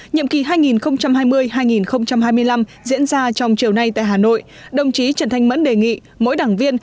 nhiệm kỳ hai nghìn hai mươi hai nghìn hai mươi năm diễn ra trong chiều nay tại hà nội đồng chí trần thanh mẫn đề nghị mỗi đảng viên